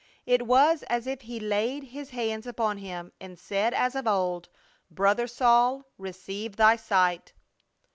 It was as if he laid his hands upon him and said, as of old: "Brother Saul, receive thy sight!"